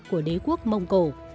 của đế quốc mông cổ